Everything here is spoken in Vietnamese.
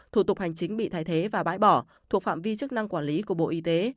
thủ tục hành chính bị thay thế và bãi bỏ thuộc phạm vi chức năng quản lý của bộ y tế